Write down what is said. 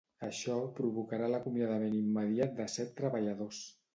Això provocarà l’acomiadament immediat de set treballadors.